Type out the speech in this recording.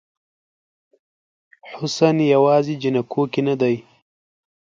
حسن یوازې جینکو کې نه دی